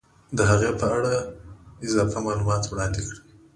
د هغې په اړه اضافي معلومات هم وړاندې کړي